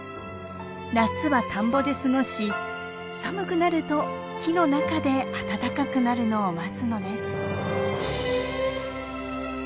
夏は田んぼで過ごし寒くなると木の中で暖かくなるのを待つのです。